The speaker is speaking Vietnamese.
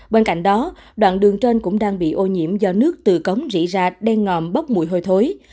bên cạnh đó đoạn đường trên cũng đang bị ô nhiễm do nước từ cống rỉ ra đen ngòm bốc mùi hôi thối